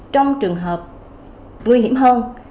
trong trường hợp nguy hiểm hơn